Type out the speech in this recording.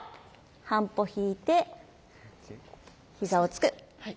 半歩引いて膝をつく。